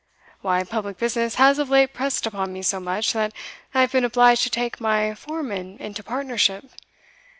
"Why, public business has of late pressed upon me so much, that I have been obliged to take my foreman into partnership.